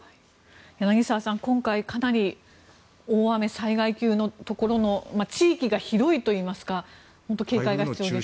柳澤さん、今回かなり大雨、災害級のところの地域が広いといいますか本当に警戒が必要ですね。